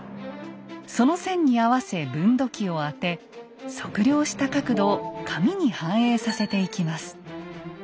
その線に合わせ分度器を当て測量した角度を紙に反映させていきます。